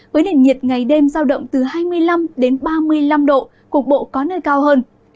với nền nhiệt ngày đêm giao động từ hai mươi năm đến ba mươi năm độ cục bộ có nơi cao hơn